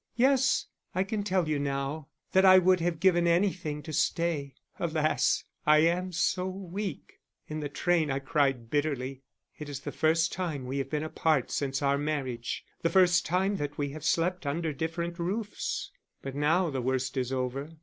Yes, I can tell you now, that I would have given anything to stay. Alas! I am so weak. In the train I cried bitterly. It is the first time we have been apart since our marriage, the first time that we have slept under different roofs. But now the worst is over.